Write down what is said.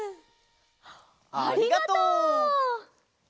ありがとう！